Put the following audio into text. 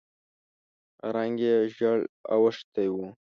رنګ یې ژېړ اوښتی و.